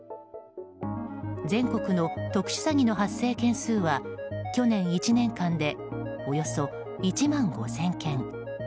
全国の特殊詐欺の発生件数は去年１年間でおよそ１万５０００件。